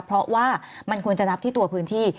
เพราะว่ามันควรจะนับที่ตัวพื้นที่